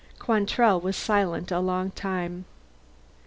Quantrell was silent a long time.